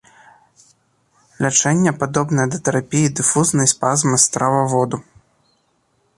Лячэнне падобнае да тэрапіі дыфузнай спазмы страваводу.